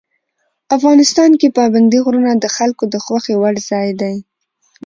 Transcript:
افغانستان کې پابندي غرونه د خلکو د خوښې وړ ځای دی.